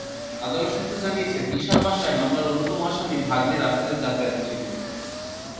আদালত সূত্র জানিয়েছে, তিশার বাসায় মামলার অন্যতম আসামি ভাগনে রাসেলের যাতায়াত ছিল।